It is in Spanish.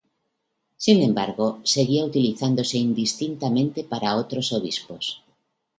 Sin embargo, seguía utilizándose indistintamente para otros obispos.